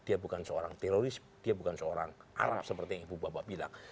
dia bukan seorang teroris dia bukan seorang arab seperti yang ibu bapak bilang